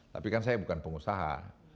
tapi kan saya bukan pengusaha